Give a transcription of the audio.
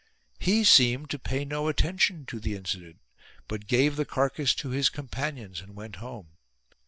He seemed to pay no attention to. the incident ; but gave the carcass to his companions and went home.